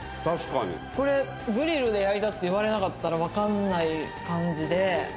これグリルで焼いたって言われなかったらわかんない感じでうんああ